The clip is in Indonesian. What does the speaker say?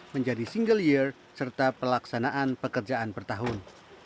menjadi single year serta pelaksanaan pekerjaan per tahun